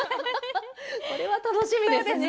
それは楽しみですね。